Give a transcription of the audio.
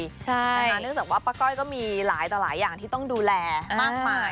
เนื่องจากว่าป้าก้อยก็มีหลายต่อหลายอย่างที่ต้องดูแลมากมาย